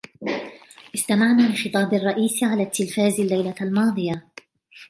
استمعنا لخطاب الرئيس على التلفاز الليلة الماضية.